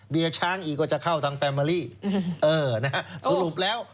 เบียร์ช้างอีกก็จะเข้าทางแฟมิลี่สรุปแล้ว